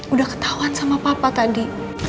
udah ketahuan sama papa tadi